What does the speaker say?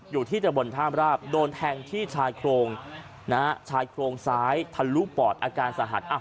อยู่ที่ตะบนท่ามราบโดนแทงที่ชายโครงนะฮะชายโครงซ้ายทะลุปอดอาการสาหัส